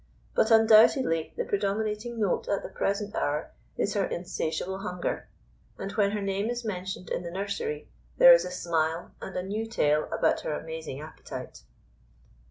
But undoubtedly the predominating note at the present hour is her insatiable hunger, and when her name is mentioned in the nursery there is a smile and a new tale about her amazing appetite.